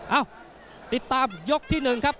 เอ้าติดตามยกที่หนึ่งครับ